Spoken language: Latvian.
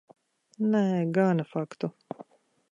Nē, gana faktu.